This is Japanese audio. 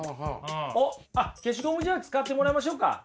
おっあっ消しゴムじゃあ使ってもらいましょうか。